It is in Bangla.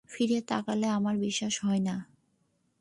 ফিরে তাকালে, আমার বিশ্বাসই হয় না?